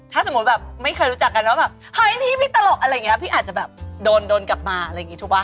ถ้าสมมุติแบบไม่เคยรู้จักกันว่าแบบเฮ้ยพี่พี่ตลกอะไรอย่างนี้พี่อาจจะแบบโดนกลับมาอะไรอย่างนี้ถูกป่